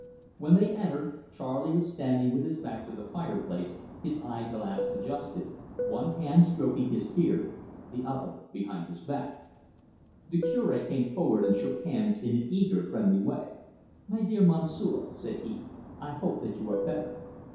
When they entered, Charley was standing with his back to the fireplace, his eye glass adjusted, one hand stroking his beard, the other held behind his back. The Cure came forward and shook hands in an eager friendly way. "My dear Monsieur," said he, "I hope that you are better."